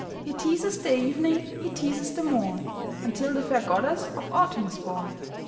He teases the evening, he teases the morn, Until the fair Goddess of Autumn is born.